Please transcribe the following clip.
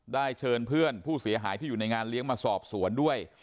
เชิญเพื่อนผู้เสียหายที่อยู่ในงานเลี้ยงมาสอบสวนด้วย